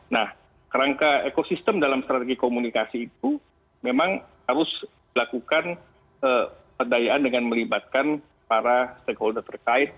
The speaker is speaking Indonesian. nah kerangka ekosistem dalam strategi komunikasi itu memang harus dilakukan perdayaan dengan melibatkan para stakeholder terkait